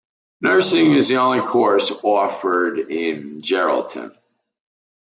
Nursing is the only course offered in Geraldton.